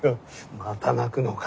また泣くのか。